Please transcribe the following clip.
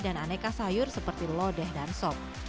dan aneka sayur seperti lodeh dan som